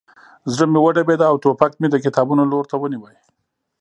زړه مې وډبېده او ټوپک مې د کتابونو لور ته ونیو